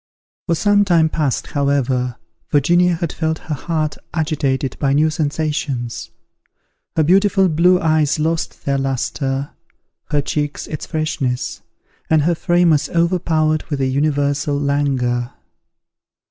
For some time past, however, Virginia had felt her heart agitated by new sensations. Her beautiful blue eyes lost their lustre, her cheek its freshness, and her frame was overpowered with a universal langour.